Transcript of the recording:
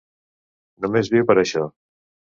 Només viu per a això.